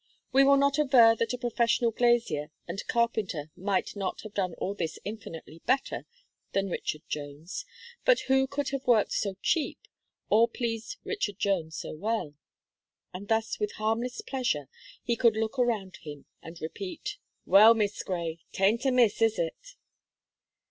We will not aver that a professional glazier and carpenter might not have done all this infinitely better than Richard Jones, but who could have worked so cheap or pleased Richard Jones so well? And thus with harmless pleasure he could look around him and repeat: "Well, Miss Gray, 'tain't amiss, is it?"